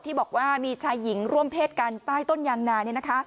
บอกว่ามีชายหญิงร่วมเพศกันใต้ต้นยางนา